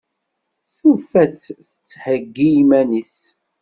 Tufa-tt tettheyyi iman-is.